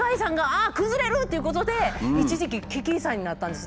崩れる！っていうことで一時期危機遺産になったんです。